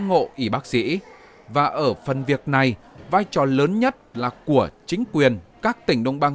ngộ ủy bác sĩ và ở phần việc này vai trò lớn nhất là của chính quyền các tỉnh đồng bằng